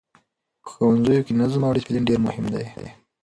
په ښوونځیو کې نظم او ډسپلین ډېر مهم دی.